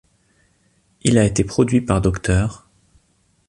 Il a été produit par Dr.